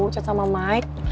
chat sama mike